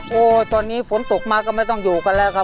เพลงนี้อยู่ในอาราบัมชุดแรกของคุณแจ็คเลยนะครับ